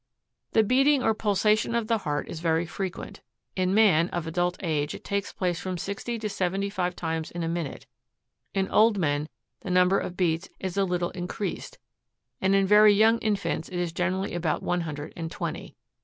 47. The beating or pulsation of the heart is very frequent ; in man of adult age it takes place from sixty to seventy five times in a minute ; in old men the number of beats is a little increased, and in very young infants it is generally about one hundred and twenty.